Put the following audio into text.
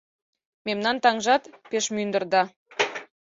Мемнан таҥжат пеш мӱндыр да